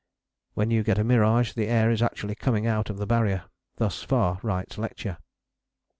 When you get mirage the air is actually coming out of the Barrier. Thus far Wright's lecture.